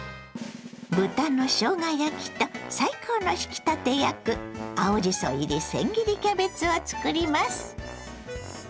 豚のしょうが焼きと最高の引き立て役青じそ入りせん切りキャベツを作ります。